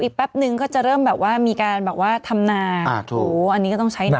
แป๊บนึงก็จะเริ่มแบบว่ามีการแบบว่าทำนาโถอันนี้ก็ต้องใช้นา